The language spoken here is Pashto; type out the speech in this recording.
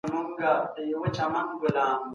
د اقليتونو سره نېک چلند د اسلام صفت دی.